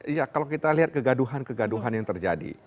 iya kalau kita lihat kegaduhan kegaduhan yang terjadi